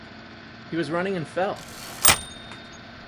He was running and fell.